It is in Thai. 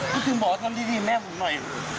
คุณถึงบอกตามดีแม่ผมหน่อย